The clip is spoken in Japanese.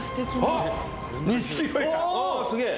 ああすげえ